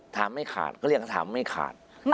ถามไม่ขาดก็เรียกถามไม่ขาด